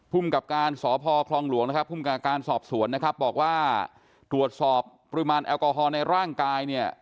พุ่มกับการสพคลองหลวงพุ่มการการสอบสวนนะครับบอกว่าดวชสอบปริมาณแอลกอฮอล์ในร่างกายเนี่ย